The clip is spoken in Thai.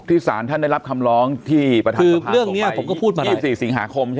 พี่ศาลท่านได้รับคำร้องที่ประธานสงต่อไป๒๔สิงหาคม